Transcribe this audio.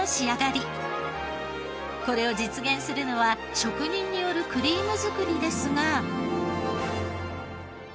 これを実現するのは職人によるクリーム作りですが。